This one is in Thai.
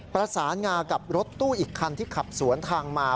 ประสานงากับรถตู้อีกคันที่ขับสวนทางมา